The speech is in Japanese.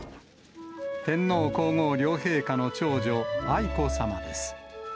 天皇皇后両陛下の長女、愛子さまです。